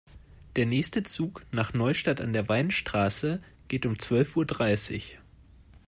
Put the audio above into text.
Der nächste Zug nach Neustadt an der Weinstraße geht um zwölf Uhr dreißig